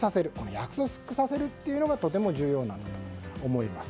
約束させるというのがとても重要になっていると思います。